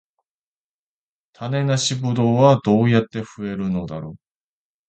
種なしブドウはどうやって増えるのだろう